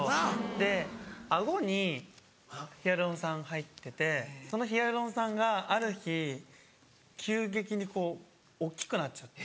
で顎にヒアルロン酸が入っててそのヒアルロン酸がある日急激に大っきくなっちゃって。